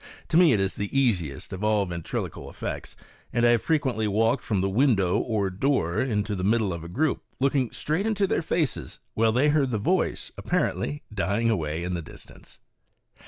To me it is the easiest of all my ventrnoquial effects, and I have frequently walked from the window or door into the middle of a group, looking straight into their faces, while they heard the voice apparently dying away in the distance.